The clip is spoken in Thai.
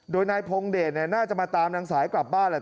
โดยนายพงเดชน่าจะมาตามนางสายกลับบ้านแหละ